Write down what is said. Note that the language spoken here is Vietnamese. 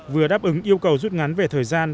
vừa đáp ứng yêu cầu rút ngắn về thời gian